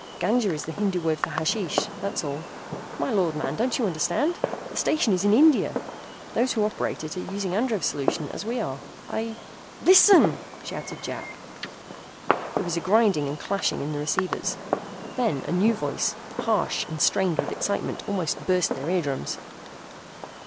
"Ganja is the Hindu word for hashish, that's all. My Lord, man, don't you understand? The station is in India. Those who operate it are using Andrev's solution as we are. I " "Listen!" shouted Jack. There was a grinding and clashing in the receivers. Then a new voice, harsh and strained with excitement, almost burst their eardrums.